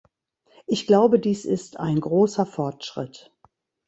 Ich glaube, dies ist ein großer Fortschritt.